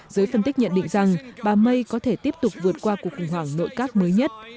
giới phân tích nhận định rằng bà may có thể tiếp tục vượt qua cuộc khủng hoảng nội các mới nhất